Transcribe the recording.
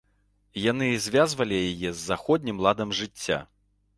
Яны звязвалі яе з заходнім ладам жыцця.